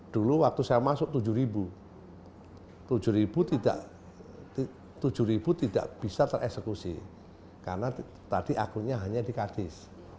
dulu waktu saya masuk tujuh ribu tujuh tidak bisa tereksekusi karena tadi akunnya hanya di kadis